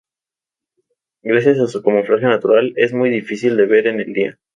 Gracias a su camuflaje natural, es muy difícil de ver en el día.